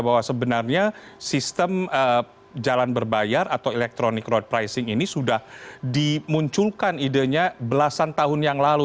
bahwa sebenarnya sistem jalan berbayar atau electronic road pricing ini sudah dimunculkan idenya belasan tahun yang lalu